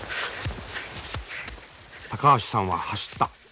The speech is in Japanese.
高橋さんは走った。